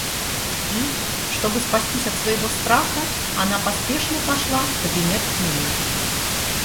И, чтобы спастись от своего страха, она поспешно пошла в кабинет к нему.